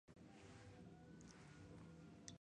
Actualmente su carrera se desarrolla en el jazz.